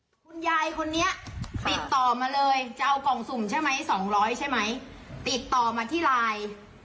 คุณยายคนนี้ติดต่อมาเลยจะเอากล่องสุ่มใช่ไหมสองร้อยใช่ไหมติดต่อมาที่ไลน์